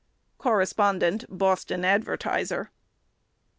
Correspondent Boston Advertiser.